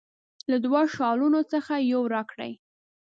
له دوه شالونو څخه یو راکړي.